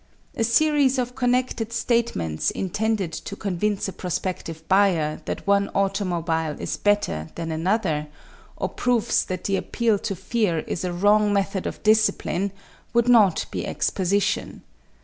A series of connected statements intended to convince a prospective buyer that one automobile is better than another, or proofs that the appeal to fear is a wrong method of discipline, would not be exposition.